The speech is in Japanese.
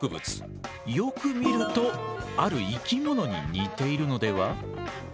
よく見るとある生き物に似ているのでは？